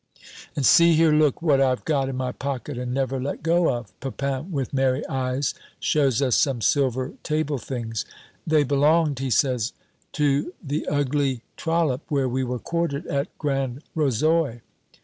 "And see here, look what I've got in my pocket and never let go of" Pepin, with merry eyes, shows us some silver table things. "They belonged," he says, "to the ugly trollop where we were quartered at Grand Rozoy."